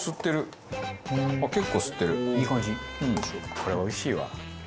これはおいしいわ。